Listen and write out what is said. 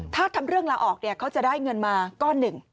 ถ้าทำเรื่องลาออกเนี่ยเขาจะได้เงินมาก้อนหนึ่ง